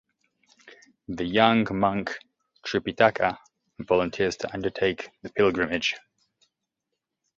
The young monk Tripitaka volunteers to undertake the pilgrimage.